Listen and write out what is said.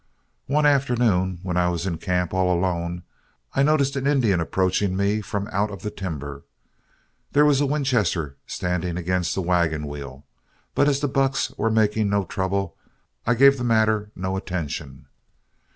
"One afternoon when I was in camp all alone, I noticed an Indian approaching me from out of the timber. There was a Winchester standing against the wagon wheel, but as the bucks were making no trouble, I gave the matter no attention.